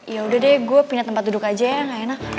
yaudah deh gue pindah tempat duduk aja ya gak enak